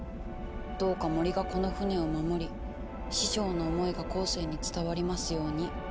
どうか森がこの船を守り師匠の思いが後世に伝わりますように。